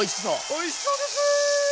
おいしそうです！